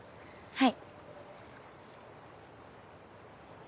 はい。